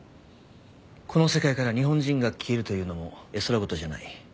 この世界から日本人が消えるというのも絵空事じゃない。